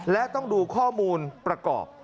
และต้องดูข้อมูลประกอบ